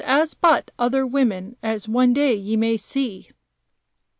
she is but as other women, as one day ye may see."